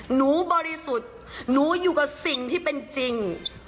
บริสุทธิ์หนูอยู่กับสิ่งที่เป็นจริง